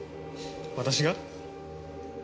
私が？